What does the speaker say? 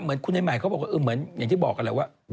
เหมือนคุณนายหมายเขาบอกว่า